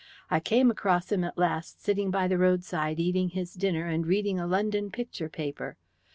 I come across him at last sitting by the roadside eating his dinner and reading a London picture paper.